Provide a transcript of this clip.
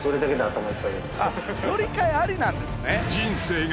あっ乗り換えありなんですね。